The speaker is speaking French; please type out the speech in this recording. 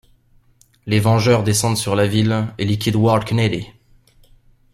Les vengeurs descendent sur la ville et liquident Ward-Kennedy.